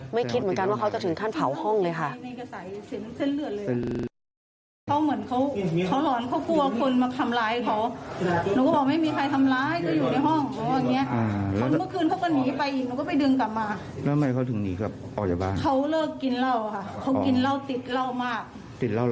คิดเหมือนกันว่าเขาจะถึงขั้นเผาห้องเลยค่ะ